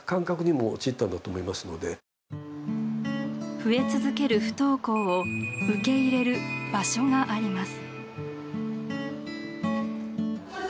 増え続ける不登校を受け入れる場所があります。